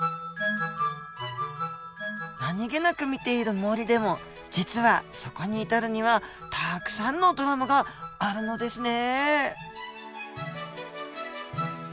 何気なく見ている森でも実はそこに至るにはたくさんのドラマがあるのですね。